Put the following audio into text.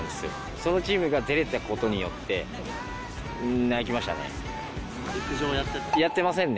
そのチームが出れたことによって、泣きましたね。